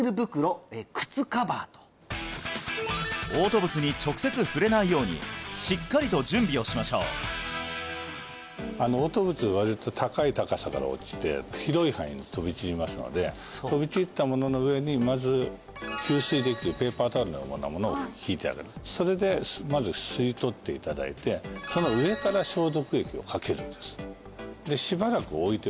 嘔吐物に直接触れないように嘔吐物割と高い高さから落ちて広い範囲に飛び散りますので飛び散ったものの上にまず吸水できるペーパータオルのようなものを敷いてあげるそれでまず吸い取っていただいてその湿布みたいな感じですね